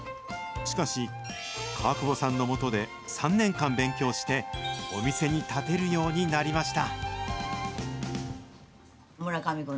しかし、川久保さんのもとで３年間勉強して、お店に立てるようになりました。